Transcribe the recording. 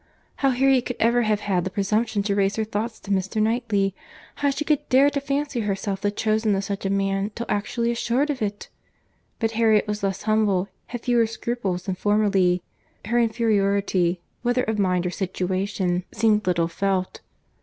How Harriet could ever have had the presumption to raise her thoughts to Mr. Knightley!—How she could dare to fancy herself the chosen of such a man till actually assured of it!—But Harriet was less humble, had fewer scruples than formerly.—Her inferiority, whether of mind or situation, seemed little felt.